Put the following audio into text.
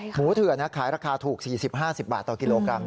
เถื่อนขายราคาถูก๔๐๕๐บาทต่อกิโลกรัม